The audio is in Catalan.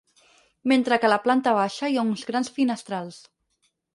Mentre que a la planta baixa hi ha uns grans finestrals.